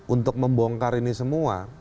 untuk membongkar ini semua